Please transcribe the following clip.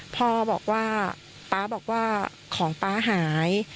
พ่อบอกว่าป๊าบอกว่าของป๊าหาย